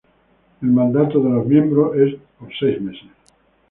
El mandato de los miembros es por seis meses.